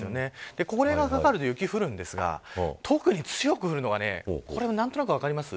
これがかかると雪が降るんですが特に強く降るのが何となく分かりますか。